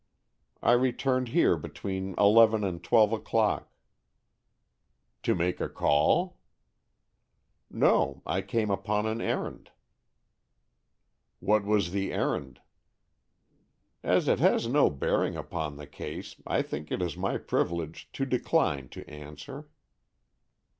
"I returned here between eleven and twelve o'clock." "To make a call?" "No, I came upon an errand." "What was the errand?" "As it has no bearing upon the case, I think it is my privilege to decline to answer."